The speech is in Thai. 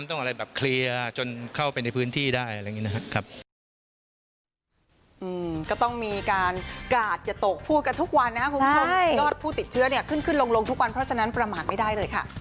ต้องอะไรแบบเคลียร์จนเข้าไปในพื้นที่ได้